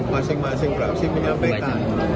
masing masing fraksi punya mereka